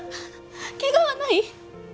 ケガはない？